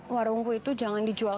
warungku itu jangan dijual